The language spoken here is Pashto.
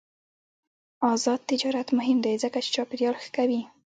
آزاد تجارت مهم دی ځکه چې چاپیریال ښه کوي.